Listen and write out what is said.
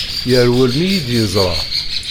Yerwel mi yi-d-yeẓra.